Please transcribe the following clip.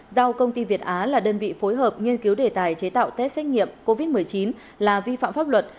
giao công ty việt á là đơn vị phối hợp nghiên cứu đề tài chế tạo test xét nghiệm covid một mươi chín là vi phạm pháp luật